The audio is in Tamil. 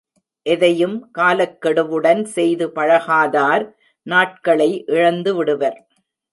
எதையும் காலக் கெடுவுடன் செய்து பழகாதார் நாட்களை இழந்துவிடுவர்.